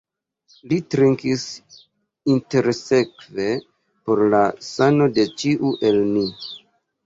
Li trinkis intersekve por la sano de ĉiu el ni.